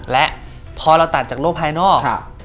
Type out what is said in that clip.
และพอเราตัดจากโลกภายนอก